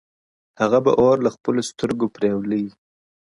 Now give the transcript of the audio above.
هغه به اور له خپلو سترګو پرېولي؛